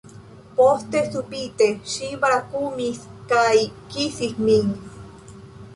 Poste subite ŝi brakumis kaj kisis min.